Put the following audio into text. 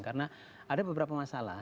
karena ada beberapa masalah